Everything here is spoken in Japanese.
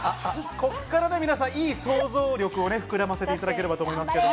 ここから皆さん、いい想像力を膨らませていただければと思います。